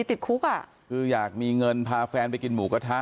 ปรีโยคือยากมีเงินของแฟนไปกินหมูกระทะ